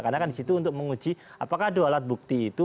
karena kan disitu untuk menguji apakah ada alat bukti itu